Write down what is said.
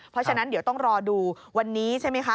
เพราะฉะนั้นเดี๋ยวต้องรอดูวันนี้ใช่ไหมคะ